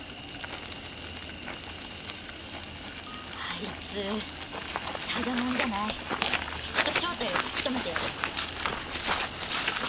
あいつただ者じゃない正体を突き止めてやる！